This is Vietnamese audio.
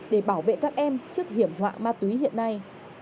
để bảo vệ các em trước hiểm họa ma túy hiện nay